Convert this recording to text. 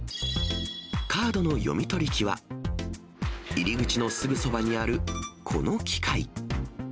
カードの読み取り機は、入り口のすぐそばにあるこの機械。